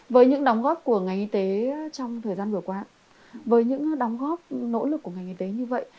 với những đóng góp của ngành y tế trong thời gian vừa qua với những đóng góp nỗ lực của ngành y tế như vậy